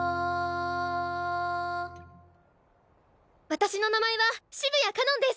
私の名前は澁谷かのんです！